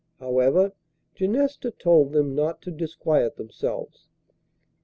However, Genesta told them not to disquiet themselves.